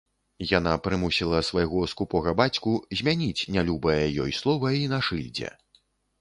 Яна прымусіла свайго скупога бацьку змяніць нялюбае ёй слова і на шыльдзе.